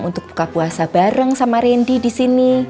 untuk buka puasa bareng sama rendy disini